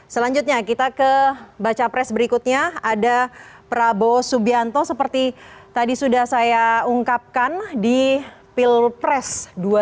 selanjutnya kita ke baca pres berikutnya ada prabowo subianto seperti tadi sudah saya ungkapkan di pilpres dua ribu sembilan belas